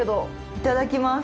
いただきます。